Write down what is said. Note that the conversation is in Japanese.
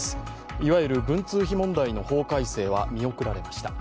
いわゆる文通費問題の法改正は見送られました。